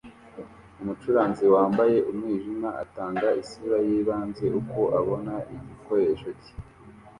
Umucuranzi wambaye umwijima atanga isura yibanze uko abona igikoresho cye